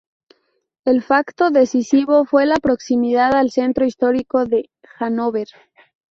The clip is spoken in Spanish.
El facto decisivo fue la proximidad al centro histórico de Hanóver.